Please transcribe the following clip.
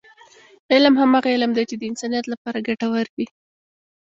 علم هماغه علم دی، چې د انسانیت لپاره ګټور وي.